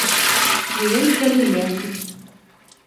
— Джельтмен!